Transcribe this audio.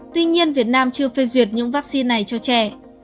tuy nhiên việt nam chưa phê duyệt những vắc xin này cho trẻ